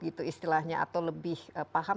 gitu istilahnya atau lebih paham